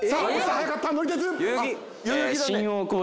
早かった乗り鉄。